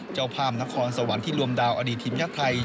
เจ้าภาพนครสวรรค์ที่รวมดาวธิปุ่มธรรมชาชี้ทีมใหญ่ไทย